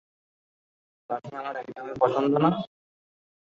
লাঠি আমার একদমই পছন্দ না?